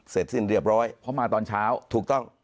เสร็จสิ้นเรียบร้อยเพราะมาตอนเช้าถูกต้อง